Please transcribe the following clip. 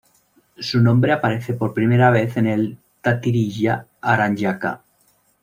Su nombre aparece por primera vez en el "Taittirīya-āraṇyaka".